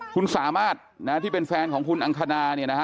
คุณสามารถที่เป็นแฟนของคุณอังคณาเนี่ยนะฮะ